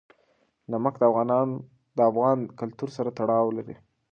نمک د افغان کلتور سره تړاو لري.